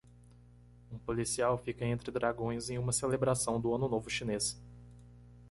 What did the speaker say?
Um policial fica entre dragões em uma celebração do Ano Novo Chinês